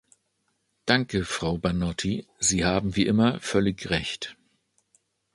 Danke, Frau Banotti, Sie haben wie immer völlig Recht.